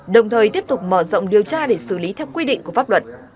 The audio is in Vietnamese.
đồng thời tiếp tục mở rộng điều tra để xử lý theo quy định của pháp luật